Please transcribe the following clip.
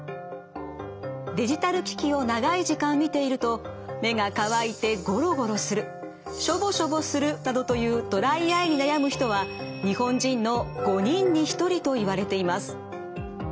デジタル機器を長い時間見ていると目が乾いてゴロゴロするしょぼしょぼするなどというドライアイに悩む人は日本人の５人に１人といわれています。